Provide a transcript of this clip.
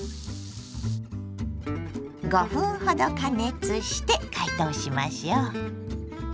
５分ほど加熱して解凍しましょう。